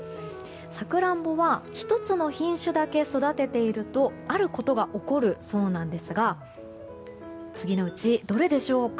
サクランボは１つの品種だけ育てているとあることが起こるそうなんですが次のうちどれでしょうか。